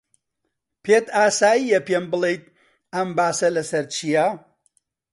پێت ئاسایییە پێم بڵێیت ئەم باسە لەسەر چییە؟